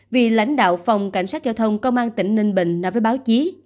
vì lãnh đạo phòng cảnh sát giao thông công an tỉnh ninh bình nói với báo chí